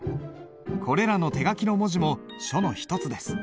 これらの手書きの文字も書の一つです。